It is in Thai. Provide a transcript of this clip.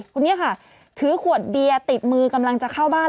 คนนี้ค่ะถือขวดเบียร์ติดมือกำลังจะเข้าบ้าน